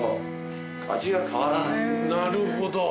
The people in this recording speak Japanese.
なるほど。